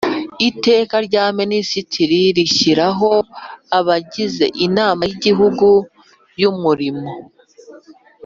Iteka rya Minisitiri rishyiraho abagize Inama y Igihugu y Umurimo